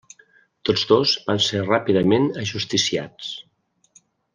Tots dos van ser ràpidament ajusticiats.